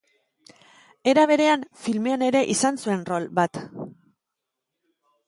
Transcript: Era berean, filmean ere izan zuen rol bat.